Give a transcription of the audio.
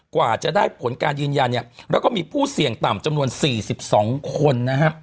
กว่าจะได้ผลการยืนยันเนี่ยแล้วก็มีผู้เสี่ยงต่ำจำนวน๔๒คนนะฮะ